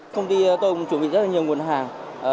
công ty tôi cũng chuẩn bị rất là nhiều nguồn hàng